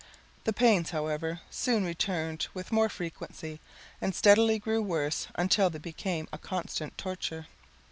The pains however, soon returned with more frequency and steadily grew worse until they became a constant torture.